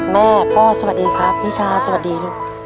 แม่พ่อสวัสดีครับนิชาสวัสดีลูก